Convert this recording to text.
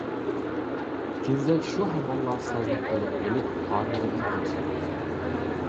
كېنىزەك شۇ ھامانلا سازنى قولىغا ئېلىپ تارلىرىنى تەڭشەپتۇ.